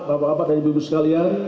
bapak bapak dan ibu ibu sekalian